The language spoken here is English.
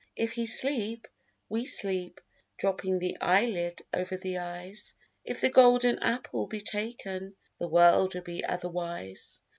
If he sleep, we sleep, Dropping the eyelid over the eyes. If the golden apple be taken The world will be overwise.